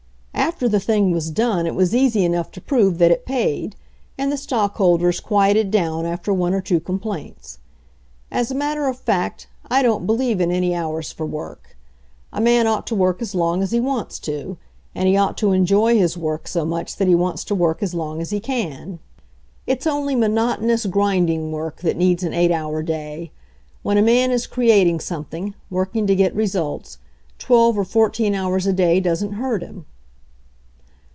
"After the thing was done it was easy enough to prove that it paid, and the stockholders quieted down after one or two complaints. "As a matter of fact,^I don't believe in any hours for work. A man ought to work as long as he wants to, and he ought to enjoy his work so much that he wants to work as long as he can. rr > 76 HENRY FORD'S OWN STORY It's only monotonous, grinding work that needs an eight hour day. When a man is creating some thing, working to get results, twelve or fourteen hours a day doesn't hurt him."